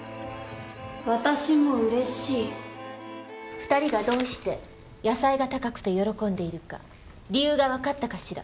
２人がどうして野菜が高くて喜んでいるか理由が分かったかしら？